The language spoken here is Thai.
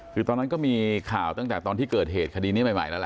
คือตอนนั้นก็มีข่าวตั้งแต่ตอนที่เกิดเหตุคดีนี้ใหม่แล้วล่ะ